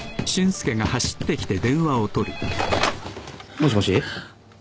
☎もしもし。